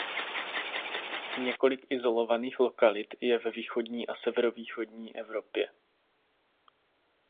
Několik izolovaných lokalit je ve východní a severovýchodní Evropě.